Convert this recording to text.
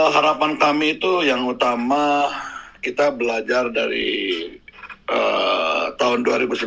harapan kami itu yang utama kita belajar dari tahun dua ribu sembilan belas